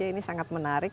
ini sangat menarik